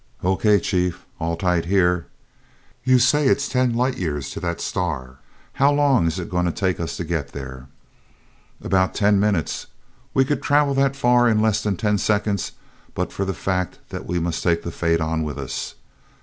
"O. K., chief! All tight here. You say it's ten light years to that star. How long's it going to take us to get there?" "About ten minutes. We could travel that far in less than ten seconds but for the fact that we must take the faidon with us.